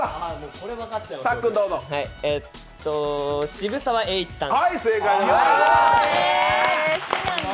渋沢栄一さん。